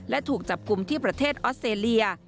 และถูกจับกลุ่มที่ประเทศออสเตรเลีย